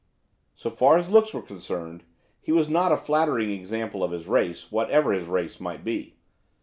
So far as looks were concerned, he was not a flattering example of his race, whatever his race might be.